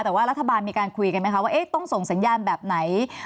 แต่ว่ารัฐบาลมีการคุยกันไหมคะว่าต้องส่งสัญญาณแบบไหน